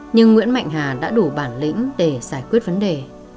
nhưng nguyễn mạnh hà đã đủ bản lĩnh để giải quyết vấn đề